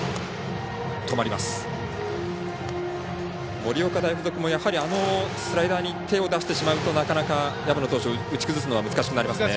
盛岡大付属もやはり、あのスライダーに手を出してしまうとなかなか薮野投手を打ち崩すのは難しくなりますね。